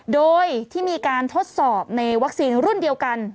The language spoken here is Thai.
โดยที่มีการทดสอบในวัคซีนรุ่นเดียวกัน